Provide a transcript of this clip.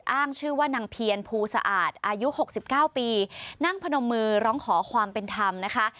อ้างชื่อว่านางเพียรภูสะอาดอายุ๖๙ปีนั่งพนมมือร้องขอความเป็นธรรมนะคะ